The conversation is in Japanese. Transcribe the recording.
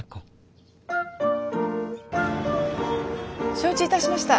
承知いたしました。